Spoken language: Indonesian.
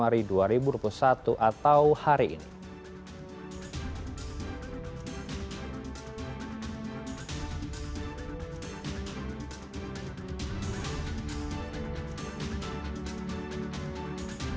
berikut ini kami tampilkan sembilan ruas jalan tol yang akan mengalami kenyakan tarif per tujuh belas jalan tol